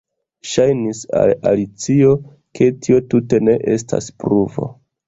Ŝajnis al Alicio ke tio tute ne estas pruvo.